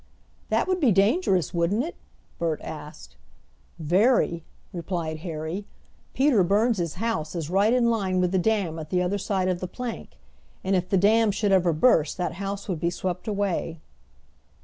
"That would be dangerous, wouldn't it?" Bert asked. "Very," replied Harry. "Peter Burns' house is right in line with the dam at the other side of the plank, and if the dam should ever burst that house would be swept away."